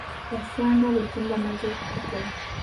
Yasanga buli kimu baamaze okukikola.